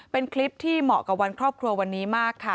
เป็นคลิปที่เหมาะกับวันครอบครัววันนี้มากค่ะ